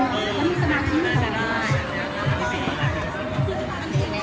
ไหนจะจู้ทราบตลอด